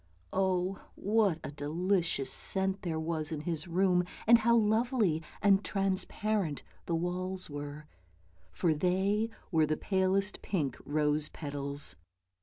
Oh, what a delicious scent there was in his room, and how lovely and transparent the walls were, for they were palest pink rose petals.